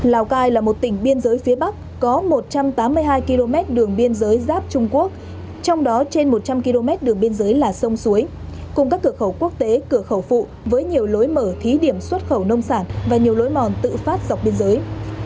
lào cai là một tỉnh biên giới phía bắc có một trăm tám mươi hai km đường biên giới giáp trung quốc trong đó trên một trăm linh km đường biên giới là sông suối cùng các cửa khẩu quốc tế cửa khẩu phụ với nhiều lối mở thí điểm xuất khẩu nông sản và nhiều lối mòn tự phát dọc biên giới